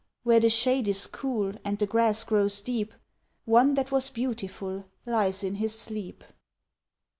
Where the shade is cool And the grass grows deep, One that was beautiful Lies in his sleep.